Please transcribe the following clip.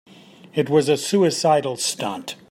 It was a suicidal stunt.